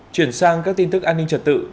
chuyển sang các tin tức an ninh trật tự